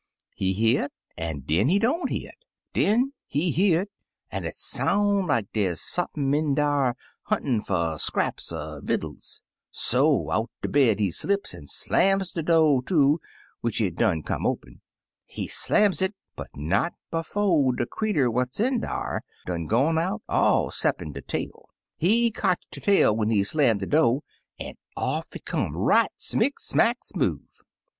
He hear it an* den he don't hear it; den he hear it, an* it soun* like dey*s 8ump*n in dar huntin* fer scraps er vittles. So, out er de bed he slips, an* slams de do* too, which it done come open. He slams it, but not befo* de creetur what*s in dar done gone out, all *ceppin* de tail. He cotch de tail when he slam de do*, an* off it come right smick smack smoove.